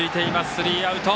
スリーアウト。